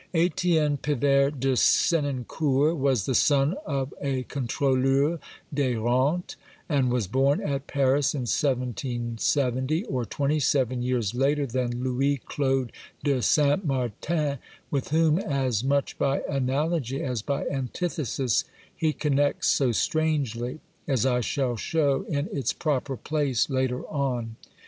Etienne Pivert de Senancour was the son of a Controleur f des Rentes^ and was born at Paris in 1770, or twenty seven' years later than Louis Claude de Saint Martin, with whom, as much by analogy as by antithesis, he connects so strangely, as I shall show in its proper place later on.